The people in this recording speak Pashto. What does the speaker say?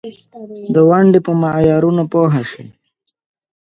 راکټ د جاسوسۍ وسایل هم انتقالوي